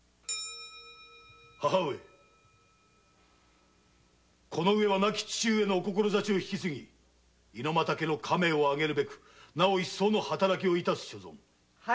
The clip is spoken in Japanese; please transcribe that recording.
母上この上は亡き父上のお志を引き継ぎ猪股家の家名を上げるべく一層の働きを致す考え。